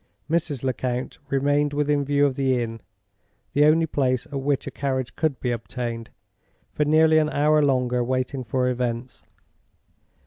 Mrs. Lecount remained within view of the inn (the only place at which a carriage could be obtained) for nearly an hour longer, waiting for events.